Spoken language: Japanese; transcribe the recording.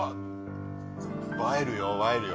映えるよ映えるよ。